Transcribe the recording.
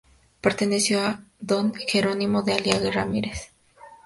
Perteneció a don Jerónimo de Aliaga y Ramírez.